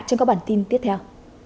trong các bản tin tiếp theo